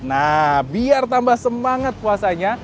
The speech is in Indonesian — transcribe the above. nah biar tambah semangat puasanya